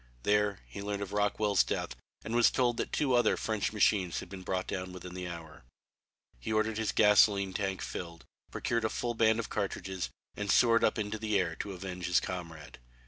There he learned of Rockwell's death and was told that two other French machines had been brought down within the hour. He ordered his gasoline tank filled, procured a full band of cartridges and soared up into the air to avenge his comrade.